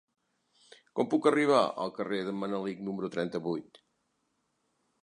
Com puc arribar al carrer d'en Manelic número trenta-vuit?